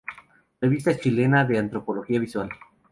Revista Chilena de Antropología Visual.